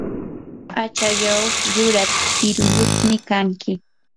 achallaw yuraq kiruyuqmi kanki.